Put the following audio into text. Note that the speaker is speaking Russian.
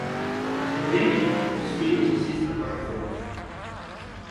Тем временем вы успеете сесть на пароход.